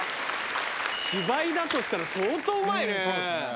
芝居だとしたら相当うまいね。